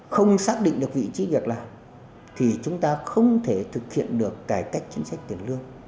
không xác định được vị trí việc làm thì chúng ta không thể thực hiện được cải cách chính sách tiền lương